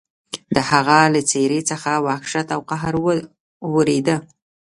د هغه له څېرې څخه وحشت او قهر ورېده.